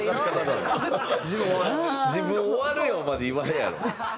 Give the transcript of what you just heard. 「自分終わるよ」まで言わんやろ。